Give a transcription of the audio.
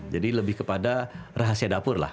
jadi lebih kepada rahasia dapur lah